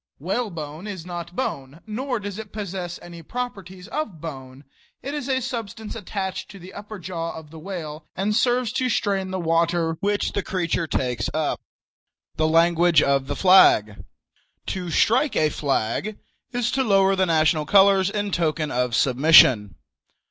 Whalebone is not bone, nor does it possess any properties of bone. It is a substance attached to the upper jaw of the whale, and serves to strain the water which the creature takes up. THE LANGUAGE OF THE FLAG. To "strike a flag" is to lower the national colors in token of submission.